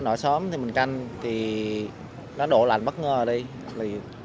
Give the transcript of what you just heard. nó sớm thì mình canh nó đổ lạnh bất ngờ đi